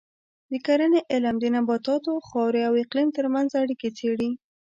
د کرنې علم د نباتاتو، خاورې او اقلیم ترمنځ اړیکې څېړي.